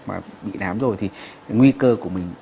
mà bị nám rồi thì nguy cơ của mình